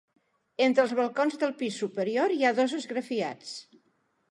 Entre els balcons del pis superior hi ha dos esgrafiats.